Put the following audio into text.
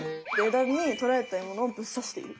枝に捕らえた獲物をぶっ刺している。